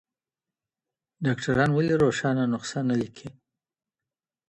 ډاکټران ولي روښانه نسخه نه لیکي؟